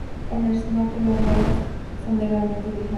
En el snooker, las bolas son ligeramente diferentes.